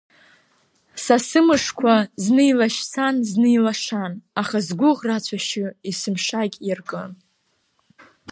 Са сымышқәа, зны илашьцан, зны илашан, аха сгәыӷра ацәашьы есымшагь иаркын.